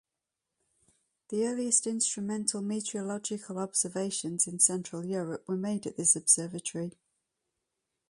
The earliest instrumental meteorological observations in central Europe were made at this observatory.